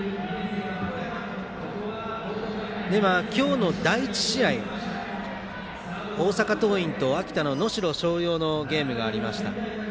今日の第１試合大阪桐蔭と秋田の能代松陽のゲームがありました。